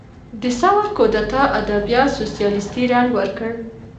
د ثور کودتا ادبیات سوسیالیستي رنګ ورکړ.